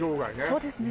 そうですね。